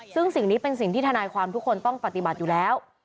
ซึ่งสิ่งนี้เป็นสิ่งที่ทนายความทุกคนต้องปฏิบัติอยู่แล้ว